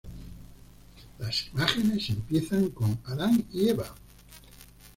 Las imágenes empiezan con Adan y Eva.